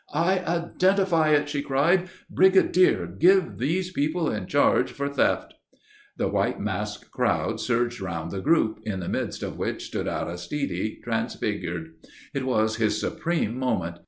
"I identify it," she cried. "Brigadier, give these people in charge for theft." The white masked crowd surged around the group, in the midst of which stood Aristide transfigured. It was his supreme moment.